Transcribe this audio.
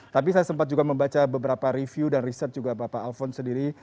tapi saya sempat juga membaca beberapa review dan riset juga bapak alfon sendiri